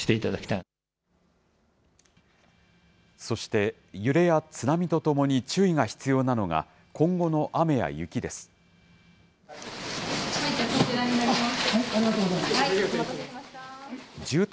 そして揺れや津波とともに注意が必要なのが、こちらになります。